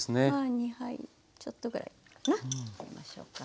２杯ちょっとぐらいかな入れましょうか。